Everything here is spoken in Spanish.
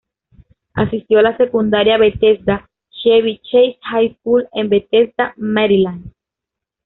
Asistió a la secundaria Bethesda-Chevy Chase High School, en Bethesda, Maryland.